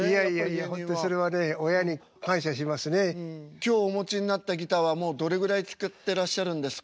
今日お持ちになったギターはもうどれぐらい使ってらっしゃるんですか？